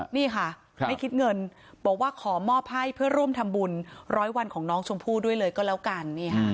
นี่ค่ะไม่คิดเงินบอกว่าขอมอบให้เพื่อร่วมทำบุญร้อยวันของน้องชมพู่ด้วยเลยก็แล้วกัน